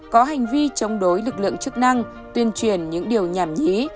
có hành vi chống đối lực lượng chức năng tuyên truyền những điều nhảm nhí